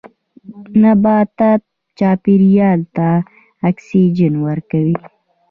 نباتات چاپیریال ته اکسیجن ورکوي